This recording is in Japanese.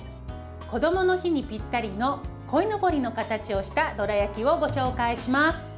こどもの日にぴったりのこいのぼりの形をしたどら焼きをご紹介します。